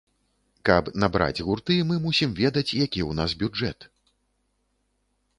Каб набраць гурты, мы мусім ведаць, які ў нас бюджэт.